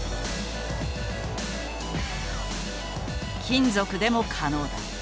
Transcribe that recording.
金属でも可能だ。